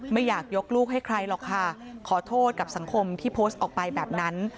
ไม่อยากยกลูกให้ใครหรอกค่ะขอโทษกับสังคมที่โพสต์ออกไปแบบนั้น